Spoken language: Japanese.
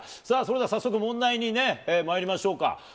さあ、それでは早速問題にね、まいりましょうか。